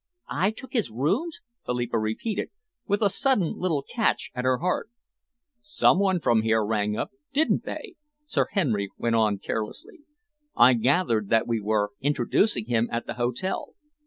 "I took his rooms?" Philippa repeated, with a sudden little catch at her heart. "Some one from here rang up, didn't they?" Sir Henry went on carelessly. "I gathered that we were introducing him at the hotel."